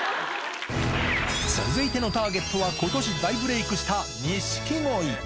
続いてのターゲットは、ことし大ブレークした錦鯉。